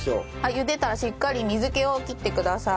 ゆでたらしっかり水気を切ってください。